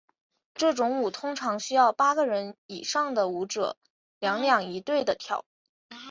这种舞通常需要八个人以上的舞者两两一对地跳。